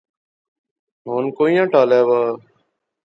ہن کوئیاں ٹالے وہا